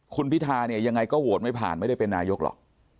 คุณพิธาเนี่ยยังไงก็โหวตไม่ผ่านไม่ได้เป็นนายกหรอก